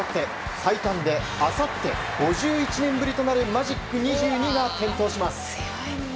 最短であさって５１年ぶりとなるマジック２２が点灯します。